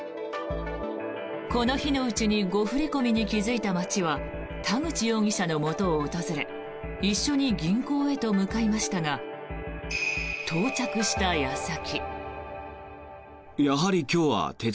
この日のうちに誤振り込みに気付いた町は田口容疑者のもとを訪れ一緒に銀行へと向かいましたが到着した矢先。